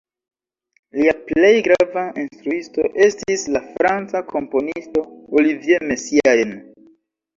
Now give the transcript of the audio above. Lia plej grava instruisto estis la franca komponisto Olivier Messiaen.